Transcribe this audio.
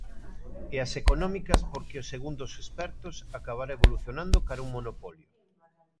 E as económicas porque, segundos os expertos, acabará evolucionando cara a un monopolio.